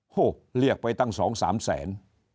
โอ้โหเรียกไปตั้ง๒๓แสน